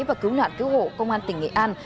và cứu nạn cứu hộ công an tỉnh nghệ an